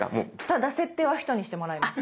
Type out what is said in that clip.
ただ設定は人にしてもらいました。